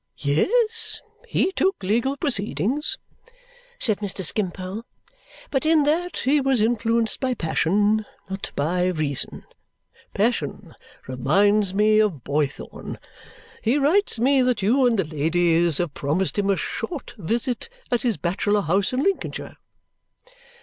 "Yes, he took legal proceedings," said Mr. Skimpole. "But in that he was influenced by passion, not by reason. Passion reminds me of Boythorn. He writes me that you and the ladies have promised him a short visit at his bachelor house in Lincolnshire."